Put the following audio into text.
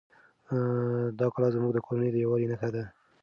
دا کلا زموږ د کورنۍ د یووالي نښه ده.